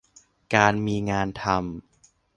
การมีงานทำ